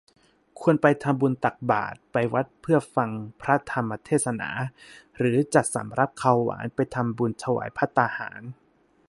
ควรไปทำบุญตักบาตร ไปวัดเพื่อฟังพระธรรมเทศนา หรือจัดสำรับคาวหวานไปทำบุญถวายภัตตาหาร